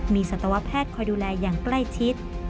มีสัตวแพทย์คอยดูแลอย่างใกล้ชิด